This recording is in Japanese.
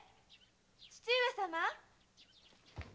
義父上様！